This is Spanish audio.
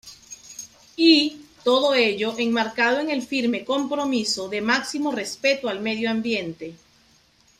Y, todo ello, enmarcado en el firme compromiso de máximo respeto al medio ambiente.